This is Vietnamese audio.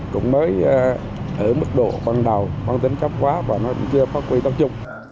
cũng mới ở mức độ băng đầu băng tính cấp quá và nó chưa phát quy tốc chung